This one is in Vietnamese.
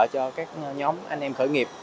cho các nhóm anh em khởi nghiệp